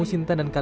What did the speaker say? dia sudah berdarah